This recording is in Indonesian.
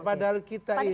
padahal kita ini